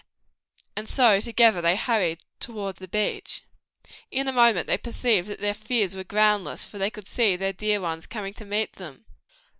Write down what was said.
And together they hurried toward the beach. In a moment they perceived that their fears were groundless, for they could see their dear ones coming to meet them.